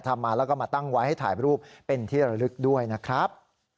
ทำมาแล้วก็มาตั้งไว้ให้ถ่ายรูปเป็นที่ระลึกด้วยนะครับ